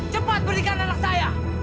cepat berikan anak saya